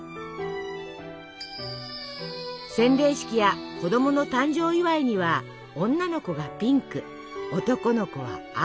洗礼式や子供の誕生祝いには女の子がピンク男の子は青。